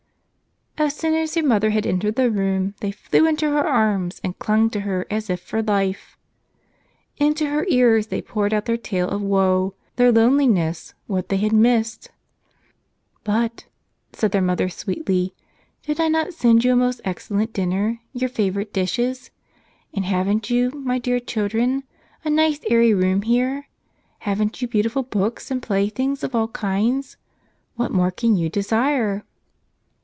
As soon as their mother had entered the room, they flew into her arms and clung to her as if for life. Into her ears they poured out their tale of woe : their lone¬ liness, what they had missed — "But," said their mother sweetly, "did I not send 40 A " Prisoner of War" you a most excellent dinner, your favorite dishes? And haven't you, my dear children, a nice, airy room here? Haven't you beautiful books and playthings of all kinds? What more can you desire?"